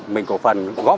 mình có phần góp